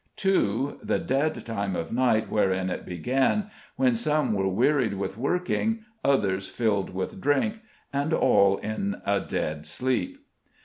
2. The dead time of night wherein it began, when some were wearied with working, others filled with drink, and all in a dead sleep."